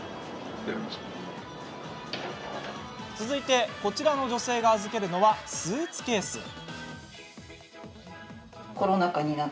続いてこちらの女性が預けるのはスーツケース。